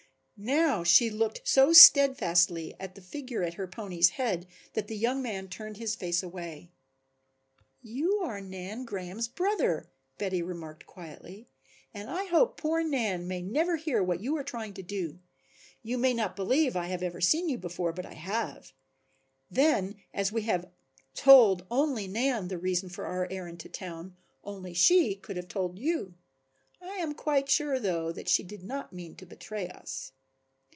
Now she looked so steadfastly at the figure at her pony's head that the young man turned his face away. "You are Nan Graham's brother," Betty remarked quietly, "and I hope poor Nan may never hear what you are trying to do. You may not believe I have ever seen you before, but I have. Then as we have told only Nan the reason for our errand to town only she could have told you. I am quite sure though that she did not mean to betray us."